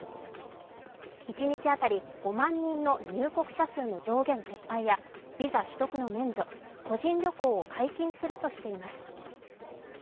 一日当たり５万人の入国者数の上限撤廃やビザ取得の免除、個人旅行を解禁するとしています。